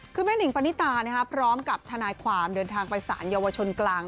คือแม่นิงปณิตาพร้อมกับทนายความเดินทางไปสารเยาวชนกลาง